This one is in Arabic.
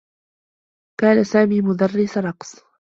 كان سامي مدرّس رقص.